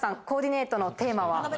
コーディネートのテーマは？